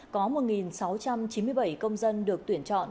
có một sáu trăm chín mươi bảy công dân được tuyển chọn